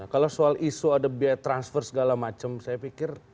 kalau soal isu ada biaya transfer segala macam saya pikir